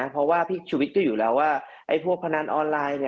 เพราะว่าพี่ชุวิตก็อยู่แล้วว่าไอ้พวกพนันออนไลน์